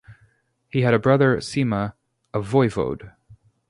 He had a brother, Sima, a "voivode".